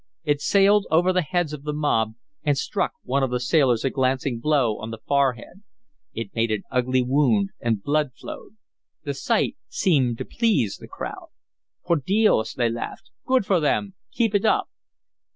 It sailed over the heads of the mob, and struck one of the sailors a glancing blow on the forehead. It made an ugly wound, and blood flowed. The sight seemed to please the crowd. "Por dios!" they laughed. "Good for them! Keep it up!"